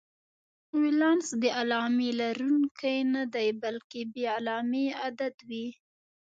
ولانس د علامې لرونکی نه دی، بلکې بې علامې عدد وي.